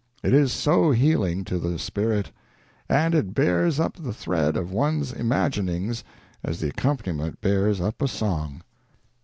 It is so healing to the spirit; and it bears up the thread of one's imaginings as the accompaniment bears up a song."